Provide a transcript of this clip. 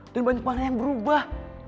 dan banyak banyak yang berubah